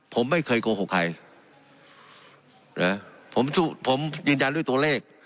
ผมไม่เคยโกหกใครนะผมผมยืนยันด้วยตัวเลข